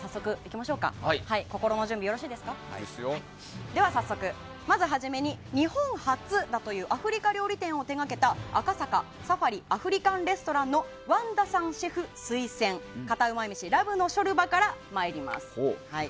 まず早速、初めに日本初だというアフリカ料理店を手掛けた赤坂サファリアフリカンレストランのワンダサンシェフ推薦カタうまい飯ラムのショルバから参ります。